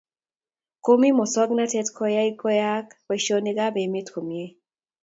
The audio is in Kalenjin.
Komi masongnatet koyaie koyayak boishonik ab emet komye